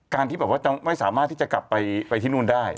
การที่ไม่สามารถที่จะกลับไปที่นู่นได้